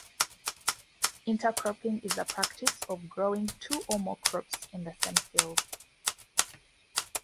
Intercropping is the practice of growing two or more crops in the same field.